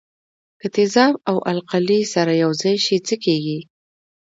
که تیزاب او القلي سره یوځای شي څه کیږي.